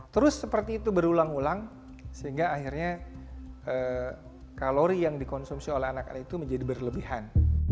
terus seperti itu berulang ulang sehingga akhirnya kalori yang dikonsumsi oleh anak anak itu menjadi berlebihan